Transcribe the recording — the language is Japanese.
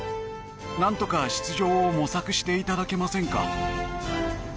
なんとか出場を模索していただけませんか？